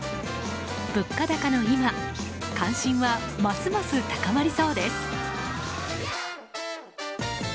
物価高の今関心は、ますます高まりそうです。